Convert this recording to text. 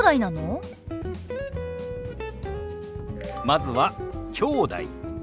まずは「きょうだい」。